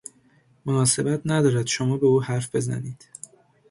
مناسبت ندارد شما به او حرف بزنید.